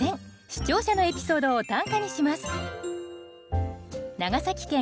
視聴者のエピソードを短歌にします。